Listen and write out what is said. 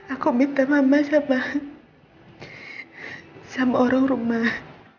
aku minta mama sama sama orang rumah